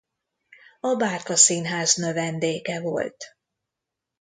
A Bárka Színház növendéke volt.